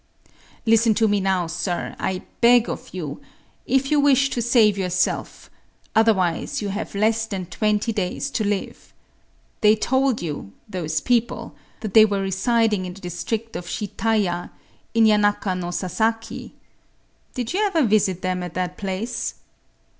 … Listen to me now, sir,—I beg of you,—if you wish to save yourself: otherwise you have less than twenty days to live. They told you—those people—that they were residing in the district of Shitaya, in Yanaka no Sasaki. Did you ever visit them at that place?